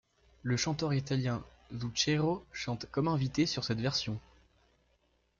Le chanteur italien Zucchero chante comme invité sur cette version.